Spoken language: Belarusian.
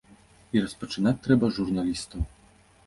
І распачынаць трэба з журналістаў.